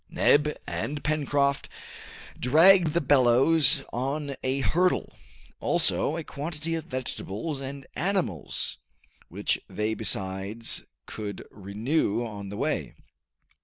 Neb and Pencroft dragged the bellows on a hurdle; also a quantity of vegetables and animals, which they besides could renew on the way.